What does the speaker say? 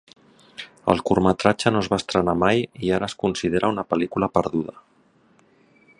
El curtmetratge no es va estrenar mai i ara es considera una pel·lícula perduda.